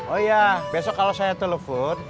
oh iya besok kalau saya telepon